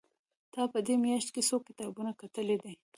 تا په دې مياشت کې څو کتابونه کتلي دي؟